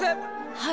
はい。